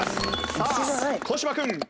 さあ小柴君。